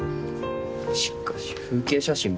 しかし風景写真ばっか。